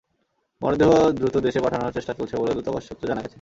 মরদেহ দ্রুত দেশে পাঠানোর চেষ্টা চলছে বলে দূতাবাস সূত্রে জানা গেছে।